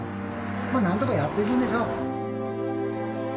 まあなんとかやっていくんでしょう。